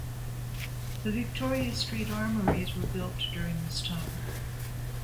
The Victoria Street Armouries were built during this time.